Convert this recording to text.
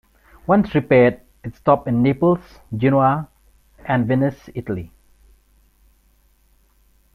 Once repaired, it stopped in Naples, Genoa, and Venice, Italy.